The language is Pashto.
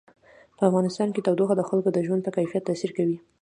په افغانستان کې تودوخه د خلکو د ژوند په کیفیت تاثیر کوي.